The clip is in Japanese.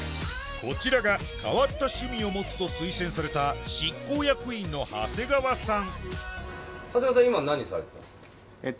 こちらが変わった趣味を持つと推薦された執行役員の長谷川さん